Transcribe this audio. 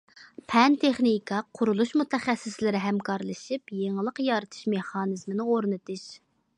پەن- تېخنىكا، قۇرۇلۇش مۇتەخەسسىسلىرى ھەمكارلىشىپ يېڭىلىق يارىتىش مېخانىزمىنى ئورنىتىش.